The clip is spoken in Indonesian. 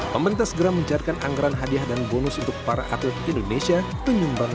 pembentas geram mencatatkan anggaran hadiah dan bonus untuk para atlet indonesia penyumbang